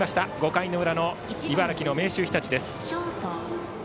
５回の裏、茨城の明秀日立です。